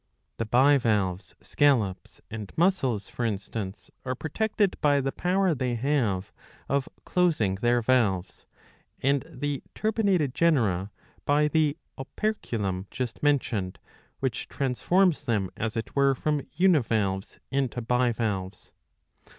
The Bivalves, scallops and mussels for instance, are protected by the power they have of closing their valves ; and the turbinated genera by the operculum just mentioned, which trans forms them, as it were, from univalves into bivalves.